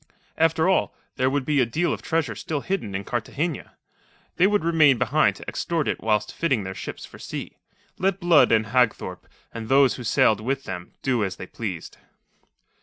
After all, there would be a deal of treasure still hidden in Cartagena. They would remain behind to extort it whilst fitting their ships for sea. Let Blood and Hagthorpe and those who sailed with them do as they pleased.